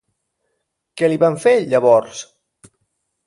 Què li van fer llavors?